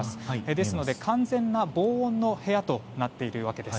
ですので完全な防音の部屋となっているわけです。